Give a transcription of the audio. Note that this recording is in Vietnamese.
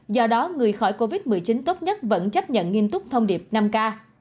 do đó người khỏi covid một mươi chín tốt nhất vẫn chấp nhận nghiêm túc thông điệp năm k